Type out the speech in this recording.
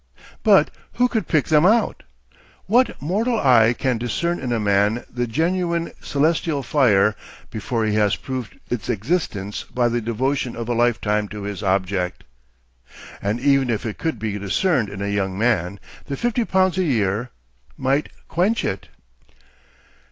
But who could pick them out? What mortal eye can discern in a man the genuine celestial fire before he has proved its existence by the devotion of a lifetime to his object? And even if it could be discerned in a young man, the fifty pounds a year might quench it.